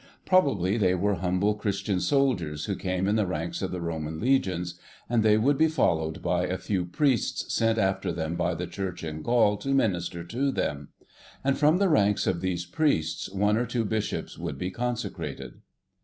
Probably they were humble Christian soldiers who came in the ranks of the Roman legions, and they would be followed by a few priests sent after them by the Church in Gaul to minister to them; and from the ranks of these priests one or two Bishops would be consecrated.